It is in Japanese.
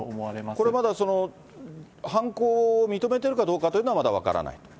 これまだ犯行を認めてるかどうかというのは、まだ分からない